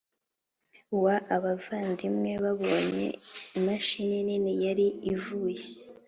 Wa Abavandimwe Babonye Imashini Nini Yari Ivuye